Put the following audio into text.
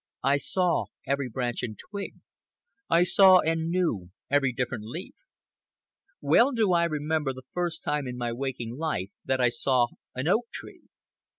I saw every branch and twig; I saw and knew every different leaf. Well do I remember the first time in my waking life that I saw an oak tree.